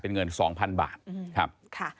เป็นเงิน๒๐๐๐บาทครับ